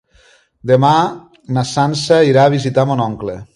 Demà na Sança irà a visitar mon oncle.